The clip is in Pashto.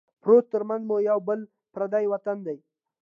پروت ترمنځه مو یو یا بل پردی وطن دی